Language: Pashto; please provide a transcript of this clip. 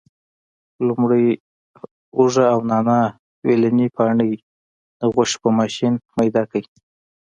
لومړی هوګه او نانا ویلني پاڼې د غوښې په ماشین میده کړي.